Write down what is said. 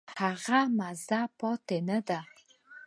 هغه مزه پاتې نه ده.